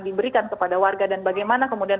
diberikan kepada warga dan bagaimana kemudian